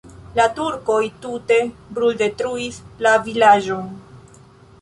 La turkoj tute bruldetruis la vilaĝon.